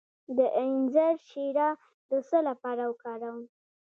د انځر شیره د څه لپاره وکاروم؟